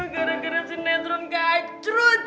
gara gara sinetron keacrut